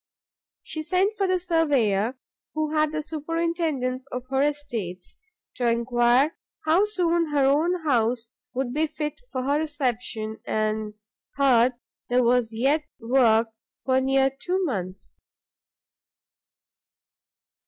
She sent for the surveyor who had the superintendance of her estates, to enquire how soon her own house would be fit for her reception; and heard there was yet work for near two months.